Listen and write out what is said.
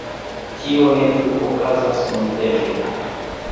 Tio ne plu okazas nuntempe.